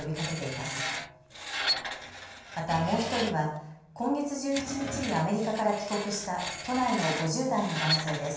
またもう１人は今月１１日にアメリカから帰国した都内の５０代の男性です。